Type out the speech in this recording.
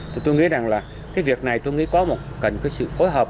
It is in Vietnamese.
thì tôi nghĩ rằng là cái việc này tôi nghĩ có một cần cái sự phối hợp